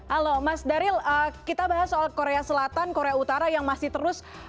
halo mas daryl kita bahas soal korea selatan korea utara yang masih terus